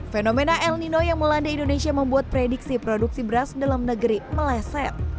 fenomena el nino yang melanda indonesia membuat prediksi produksi beras dalam negeri meleset